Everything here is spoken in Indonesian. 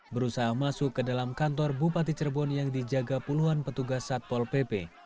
berusaha masuk ke dalam kantor bupati cirebon yang dijaga puluhan petugas satpol pp